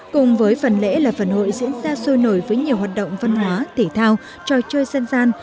cùng với phần lễ là phần hội diễn ra sôi nổi với nhiều hoạt động văn hóa thể thao trò chơi dân gian